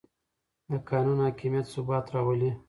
د قانون حاکمیت ثبات راولي